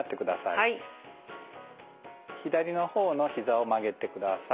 左の方のひざを曲げてください。